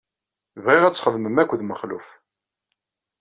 Bɣiɣ ad txedmem akked Mexluf.